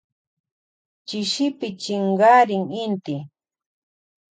Chishipi chinkarin inti.